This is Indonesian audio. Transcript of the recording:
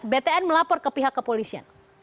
btn melapor ke pihak kepolisian